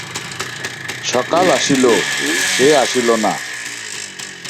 সকাল আসিল, সে আসিল না।